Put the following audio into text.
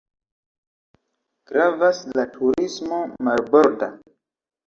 Gravas la turismo marborda.